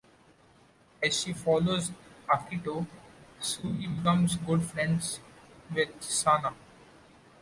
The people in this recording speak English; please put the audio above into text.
As she follows Akito, Shuri becomes good friends with Sana.